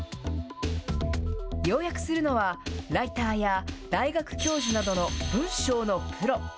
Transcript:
要約するのは、ライターや大学教授などの文章のプロ。